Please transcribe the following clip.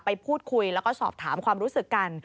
ไปพูดคุยแล้วก็สอบถามความรู้สึกกัน